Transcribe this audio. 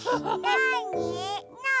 なに？